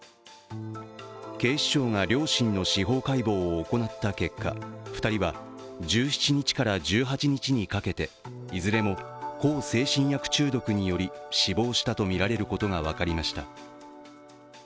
警視庁が両親の司法解剖を行った結果、２人は１７日から１８日にかけていずれも向精神薬中毒により死亡したとみられることが分かりました。